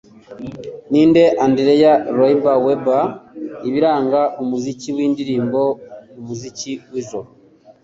Ninde Andereya Lloyd Webber Ibiranga Umuziki Indirimbo “Umuziki w'ijoro”?